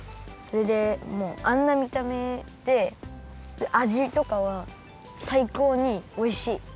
それでもあんなみためであじとかはさいこうにおいしい。